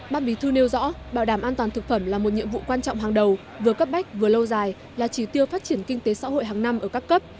ban bí thư nêu rõ bảo đảm an toàn thực phẩm là một nhiệm vụ quan trọng hàng đầu vừa cấp bách vừa lâu dài là chỉ tiêu phát triển kinh tế xã hội hàng năm ở các cấp